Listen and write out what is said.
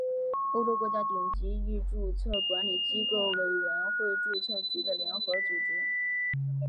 欧洲国家顶级域注册管理机构委员会注册局的联合组织。